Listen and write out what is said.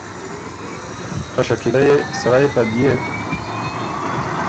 خه شکیله يې سړئ خه ديېک